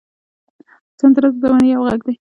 سندره د زمانې یو غږ دی